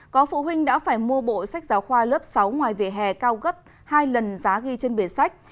có phụ huynh đã phải mua bộ sách giáo khoa lớp sáu ngoài vỉa hè cao gấp hai lần giá ghi trên bề sách